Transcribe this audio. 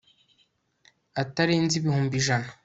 atarenze ibihumbi ijana